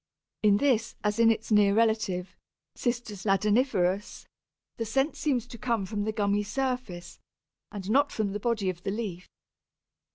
In this, as in its near relative, C. ladaniferus, the scent seems to come from the gummy surface, and not from the body of the leaf.